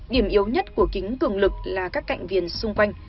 điểm yếu nhất của kính cường lực là các cạnh viền xung quanh